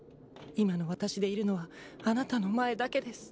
今のわたしでいるのはあなたの前だけです。